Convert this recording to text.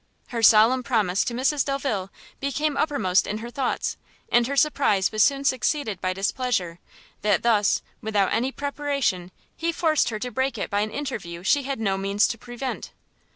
Her solemn promise to Mrs Delvile became uppermost in her thoughts, and her surprise was soon succeeded by displeasure, that thus, without any preparation, he forced her to break it by an interview she had no means to prevent.